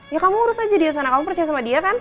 ya kamu urus aja dia sana kamu percaya sama dia kan